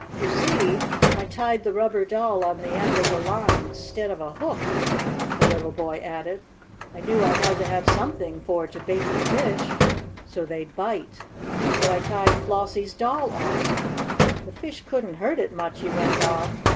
You see I tied the rubber doll on the end of the line 'stid of a hook," the little boy added. "I knew I had to have something for to bait the fish, so they'd bite, so I tied Flossie's doll on. The fish couldn't hurt it much," he went on.